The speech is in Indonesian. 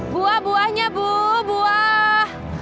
buah buahnya bu buah